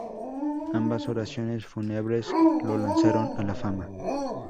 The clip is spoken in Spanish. Ambas oraciones fúnebres lo lanzaron a la fama.